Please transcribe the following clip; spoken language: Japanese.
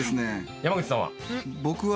山口さんは？